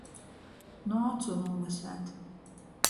Nu ocu nūlaseit.